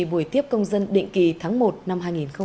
buổi tiếp công dân định kỳ tháng một năm hai nghìn hai mươi